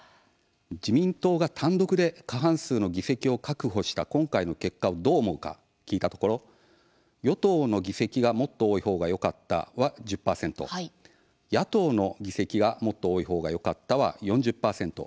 自民党が単独で過半数の議席を確保した今回の結果をどう思うか聞いたところ与党の議席がもっと多いほうがよかったは１０％野党の議席がもっと多いほうがよかったは４０％